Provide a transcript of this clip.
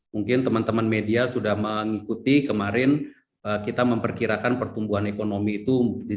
mungkin teman teman media sudah mengikuti kemarin kita memperkirakan pertumbuhan ekonomi itu